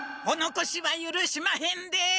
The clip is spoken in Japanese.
おのこしはゆるしまへんで！